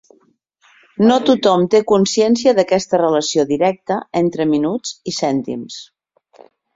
No tothom té consciència d'aquesta relació directa entre minuts i cèntims.